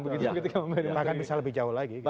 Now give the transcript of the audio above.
bahkan bisa lebih jauh lagi